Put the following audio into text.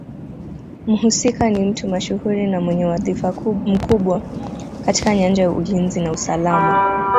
Mhusika ni mtu mashuhuri na mwenye wadhifa mkubwa katika nyanja ya ulinzi na usalama